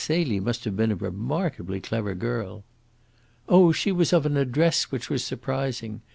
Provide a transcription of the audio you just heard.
Celie must have been a remarkably clever girl." "Oh, she was of an address which was surprising.